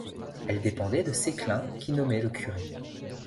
Elle dépendait de Seclin qui nommait le curé.